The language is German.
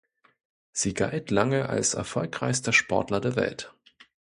Sie galt lange als erfolgreichster Sportler der Welt.